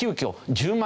１０万